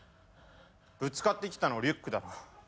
ぶつかってきたのリュックだろ。